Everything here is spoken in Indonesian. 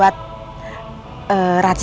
aku siap ngebantu